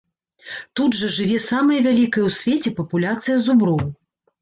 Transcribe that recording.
Тут жа жыве самая вялікая ў свеце папуляцыя зуброў.